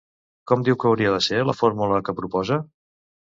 Com diu que hauria de ser la fórmula que proposa?